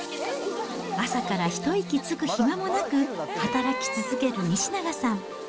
朝から一息つく暇もなく、働き続ける西永さん。